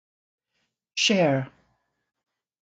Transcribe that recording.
Share